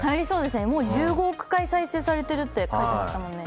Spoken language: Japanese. もう１５億回再生されてるって言ってましたもんね。